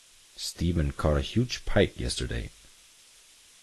Stephen caught a huge pike yesterday